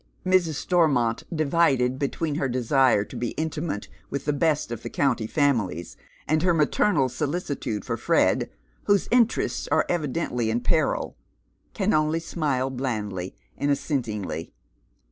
Mrs. Stormont, divided between her desire to be intimate with the best of the county fanxilies, and her maternal solicitude for Fred, whose interests are evidently in peril, can only smi!e blandly and assentingly.